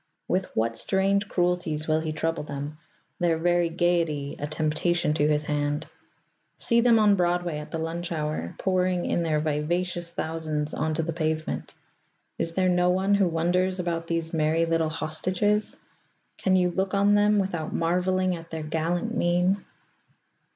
With what strange cruelties will he trouble them, their very gayety a temptation to his hand? See them on Broadway at the lunch hour, pouring in their vivacious thousands onto the pavement. Is there no one who wonders about these merry little hostages? Can you look on them without marvelling at their gallant mien?